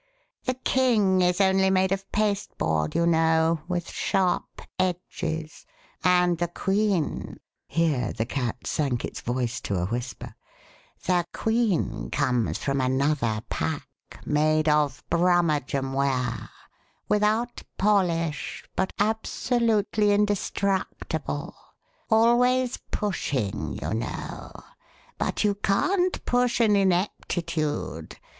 The King is only made of pasteboard, you know, with sharp edges ; and the Queen "— here the Cat sank its voice to a whisper — the Queen comes from another pack, made of Brummagem ware, without polish, but absolutely indestructible ; always pushing, you know ; but you can't push an Ineptitude.